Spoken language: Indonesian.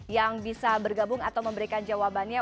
yang bisa bergabung atau memberikan jawabannya